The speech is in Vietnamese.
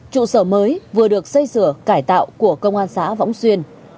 trụ sở mới vừa được xây sửa cải tạo của công an xã võng xuyên